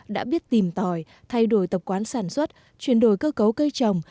đã biết tìm tòi thay đổi tập quán sản xuất chuyển đổi cơ cấu cây trồng